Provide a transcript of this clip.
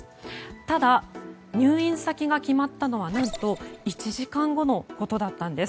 ただ、入院先が決まったのは何と１時間後のことだったんです。